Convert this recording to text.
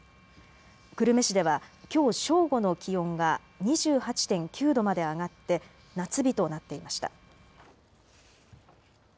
久留米市ではきょう正午の気温が２８．９度まで上がって夏日となっていました。